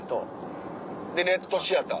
で『レッドシアター』。